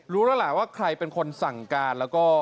รู้แล้วล่ะว่าใครเป็นคนสั่งการ